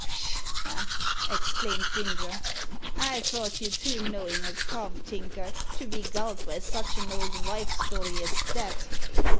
"Pshaw!" exclaimed Ginger. "I thought you too knowin' a cove, Tinker, to be gulled by such an old vife's story as that."